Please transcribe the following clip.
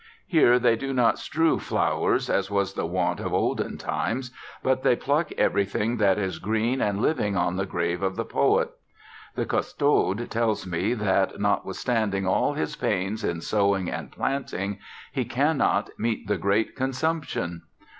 Here they do not strew flowers, as was the wont of olden times, but they pluck everything that is green and living on the grave of the poet. The Custode tells me, that, notwithstanding all his pains in sowing and planting, he cannot "meet the great consumption."